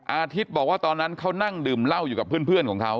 อาทิตย์บอกว่าตอนนั้นเขานั่งดื่มเหล้าอยู่กับเพื่อนของเขา